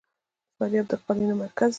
فاریاب د قالینو مرکز دی